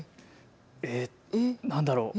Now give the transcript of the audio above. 何だろう。